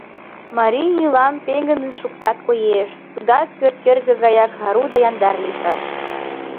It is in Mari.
Марий йӱлам пеҥгыдын шуктат, коеш: тудат пӧрткӧргӧ гаяк ару да яндар лийшаш.